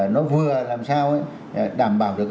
nó vừa làm sao đảm bảo được